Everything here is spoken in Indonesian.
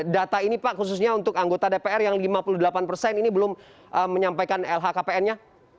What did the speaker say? data ini pak khususnya untuk anggota dpr yang lima puluh delapan persen ini belum menyampaikan lhkpn nya